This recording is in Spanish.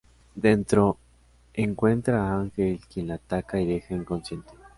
Dentro encuentra a Ángel quien la ataca y deja inconsciente.